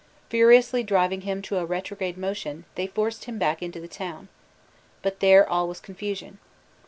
Furiously driving him to a retrograde motion, they forced him back into the town. But there all was confusion.